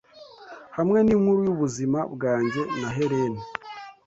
hamwe ninkuru yubuzima bwanjye na Helene